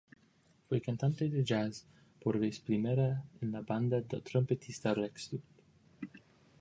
Fue cantante de Jazz por vez primera en la banda del trompetista Rex Stewart.